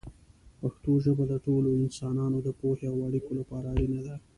پښتو ژبه د ټولو انسانانو د پوهې او اړیکو لپاره اړینه ده.